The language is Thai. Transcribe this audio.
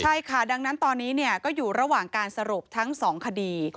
ใช่ค่ะดังนั้นตอนนี้ก็อยู่ระหว่างการสรุปทั้ง๒คดี